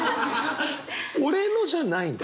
俺のじゃないんだ。